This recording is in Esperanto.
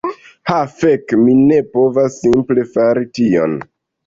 Ha fek, mi ne povas simple fari tion.